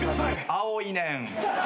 青いねん。